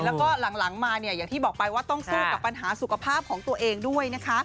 แล้วก็หลังมาเนี่ยอย่างที่บอกไปว่าต้องสู้กับปัญหาสุขภาพของตัวเองด้วยนะคะ